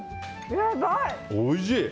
おいしい。